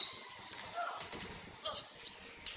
jangan lupakan kau